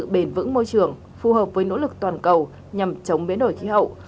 nó là sự bền vững môi trường phù hợp với nỗ lực toàn cầu nhằm chống biến đổi khí hậu